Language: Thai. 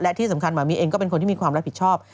และที่สำคัญหมามีเองก็เป็นคนที่มีความรับผิดชอบ